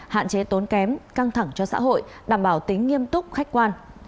hạn chế tốn kém căng thẳng cho xã hội đảm bảo tính nghiêm túc khách quan